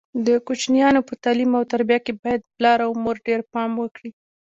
د کوچنیانو په تعلیم او تربیه کې باید پلار او مور ډېر پام وکړي.